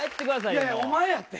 いやいやお前やって。